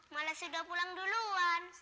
malah sudah pulang duluan